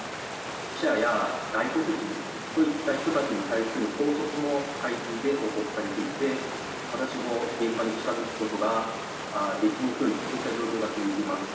記者や外国人といった人たちに対する拘束も相次いで報告されていて私も現場に近づくことができにくい状況が続いています。